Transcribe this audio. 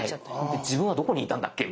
で自分はどこにいたんだっけ？